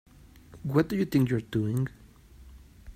What do you think you're doing?